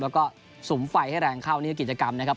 แล้วก็สุมไฟให้แรงเข้านี่คือกิจกรรมนะครับ